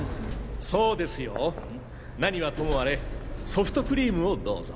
そうですよ。何はともあれソフトクリームをどうぞ。